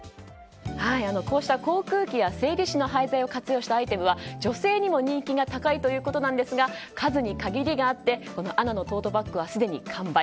こうした航空機や、整備士の廃材を活用したアイテムは女性にも人気が高いということですが数に限りがあってＡＮＡのトートバッグはすでに完売。